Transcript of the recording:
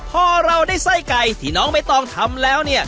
พอเราได้ไส้ไก่ที่น้องใบตองทำแล้วเนี่ย